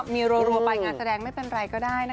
บรรลอยนิดหน่อย